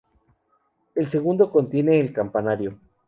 El segundo contiene el campanario.